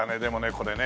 これね